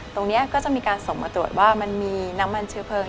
ตรงนี้ก็จะมีการส่งมาตรวจว่ามันมีน้ำมันเชื้อเพลิง